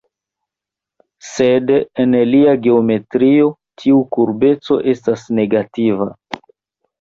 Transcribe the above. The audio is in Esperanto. Sed en lia geometrio tiu kurbeco estas negativa.